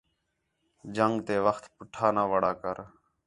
جنگ تے وخت پُٹھا نہ وَڑا کر